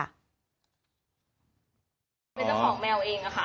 เป็นเจ้าของแมวเองค่ะ